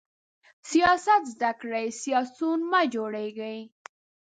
سیاست زده کړئ، سیاسیون مه جوړیږئ!